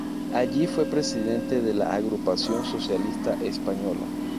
Allí fue presidente de la Agrupación Socialista Española.